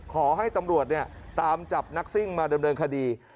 ขอให้ตำรวจตามจับนักสิ้งมาเดิมคดี